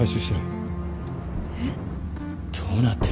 どうなってるんだ？